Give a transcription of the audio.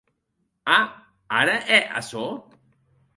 A!, ara hè açò?